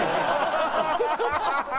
ハハハハ！